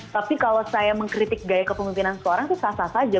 tapi kalau saya mengkritik gaya kepemimpinan seseorang itu sah sah saja